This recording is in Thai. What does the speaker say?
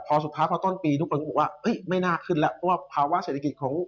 พอสุดท้ายพอต้นปีทุกคนก็บอกว่าเฮ้ยไม่น่าขึ้นแล้วเพราะว่าภาวะเศรษฐกิจของ